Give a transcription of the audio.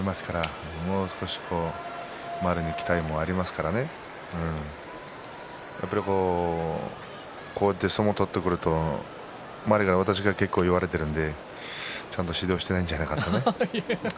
もう少し周りの期待もありますからねこうやって相撲を取ってくると周りから私が結構言われているのでちゃんと指導していないんじゃないかとか。